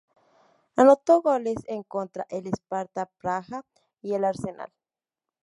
Anotó goles en contra el Sparta Praha y el Arsenal.